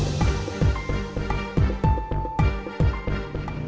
โปรดไลฟ์แอลต้อนรับ